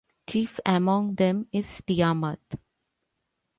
Chief among them is Tiamat.